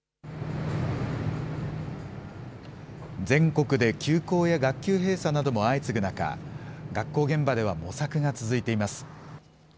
全国で休校や学級閉鎖なども相次ぐ中、学校現場では模索が続いています。